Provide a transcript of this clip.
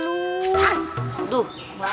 wah jangan jangan kita dibohongin lagi